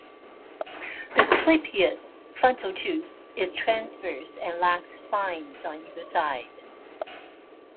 The clypeus (frontal tooth) is transverse and lacks spines on either side.